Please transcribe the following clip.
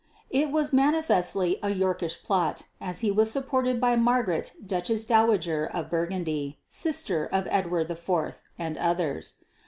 It was manifestly a Yorkist plot, as he was supported by Margaret Duchess Dowager of Burgundy (sister of Edward IV) and others.